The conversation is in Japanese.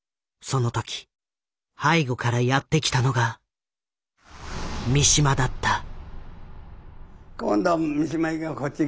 その時背後からやって来たのが三島だった。